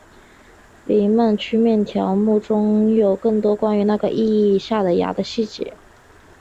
黎曼曲面条目中有更多关于那个意义下的芽的细节。